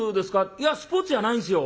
「いやスポーツじゃないんですよ」。